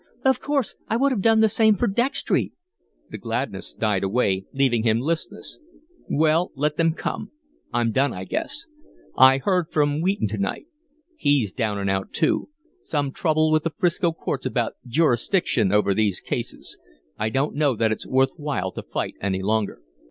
"Of course. I would have done the same for Dextry." The gladness died away, leaving him listless. "Well, let them come. I'm done, I guess. I heard from Wheaton to night. He's down and out, too some trouble with the 'Frisco courts about jurisdiction over these cases. I don't know that it's worth while to fight any longer."